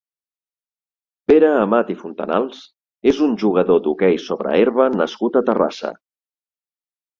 Pere Amat i Fontanals és un jugador d'hoquei sobre herba nascut a Terrassa.